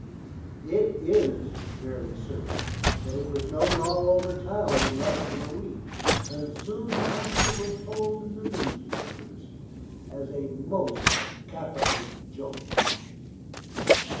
It is very certain, that it was known all over town in less than a week, and soon after was told in the newspapers, as a most capital joke.